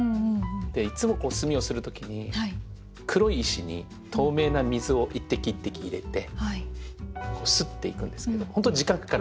でいつも墨をする時に黒い石に透明な水を一滴一滴入れてすっていくんですけど本当に時間かかるんですね。